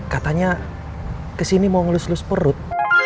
katanya kesini mau ngelus ngelus perut